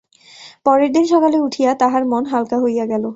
পরের দিন সকালে উঠিয়া তাহার মন হালকা হইয়া গেল।